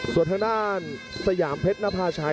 ส่วนทางด้านสยามเพชรนภาชัย